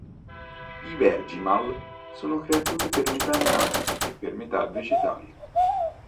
I vegimal sono creature per metà animali e per metà vegetali.